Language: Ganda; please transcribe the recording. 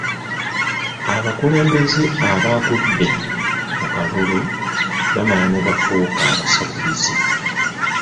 Abakulembeze abagudde mu kalulu bamala ne bafuuka abasabirizi.